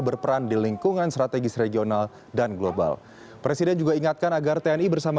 berperan di lingkungan strategis regional dan global presiden juga ingatkan agar tni bersama